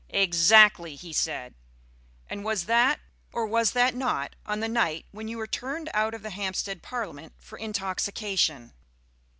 "Exactly!" he said. "And was that or was that not on the night when you were turned out of the Hampstead Parliament for intoxication?"